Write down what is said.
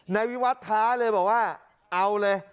ในวิวัตถาเลยบอกว่าเอาเลย